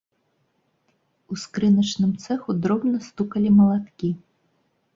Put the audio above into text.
У скрыначным цэху дробна стукалі малаткі.